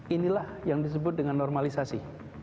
inilah yang disebut dengan normalisasi